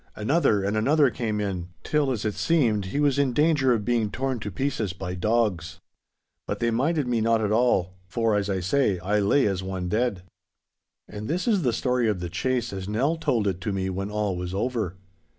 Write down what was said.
Another and another came in, till, as it seemed, he was in danger of being torn to pieces of dogs. But me they minded not at all, for (as I say) I lay as one dead. And this is the story of the chase as Nell told it to me when all was over.